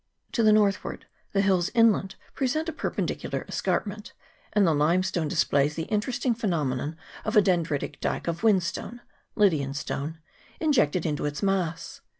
To the northward the hills inland present a perpendicular escarpment, and the limestone displays the interesting pheno menon of a dendritic dyke of whinstone (Lydian stone) injected into its aiass.